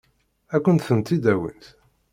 Ad kent-tent-id-awint?